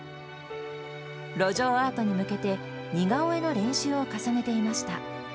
路上アートに向けて、似顔絵の練習を重ねていました。